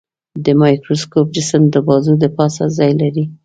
د مایکروسکوپ جسم د بازو د پاسه ځای لري.